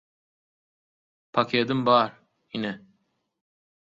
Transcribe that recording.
– Pakedim bar, ine.